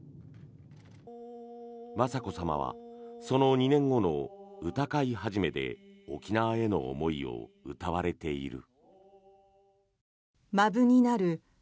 雅子さまはその２年後の歌会始で沖縄への思いを詠われている。